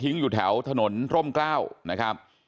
อยู่แถวถนนร่มกล้าวนะครับ